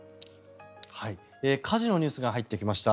火事のニュースが入ってきました。